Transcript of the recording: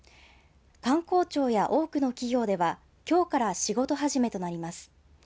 官公庁や多くの企業ではきょうから仕事始めとなります。